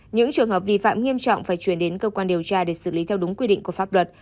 những trường hợp vi phạm nghiêm trọng phải chuyển đến cơ quan điều tra để xử lý theo đúng quy định của pháp luật